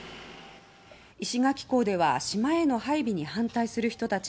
石垣港では島への配備に反対する人たち